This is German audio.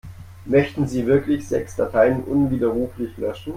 Möchten Sie wirklich sechs Dateien unwiderruflich löschen?